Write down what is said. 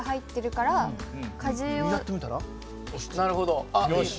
なるほど。